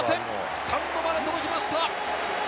スタンドまで届きました。